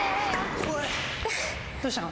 どうしたの？